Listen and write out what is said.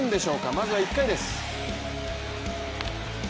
まずは１回です。